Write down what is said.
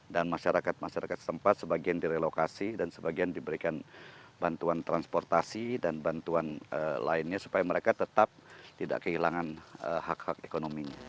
masyarakat masyarakat setempat sebagian direlokasi dan sebagian diberikan bantuan transportasi dan bantuan lainnya supaya mereka tetap tidak kehilangan hak hak ekonominya